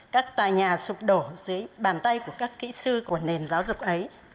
các tài nhà sụp đổ dưới bàn tay của các kỹ sư của nền giáo dục ấy